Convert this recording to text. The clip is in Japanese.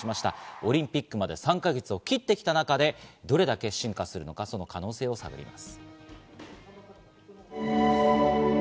オリンピックまで３か月を切ってきた中で、どれだけ進化するのか、その可能性を探ります。